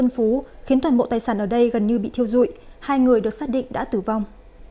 những toàn bộ tài sản ở đây gần như bị thiêu dụi hai người được xác định đã tử vong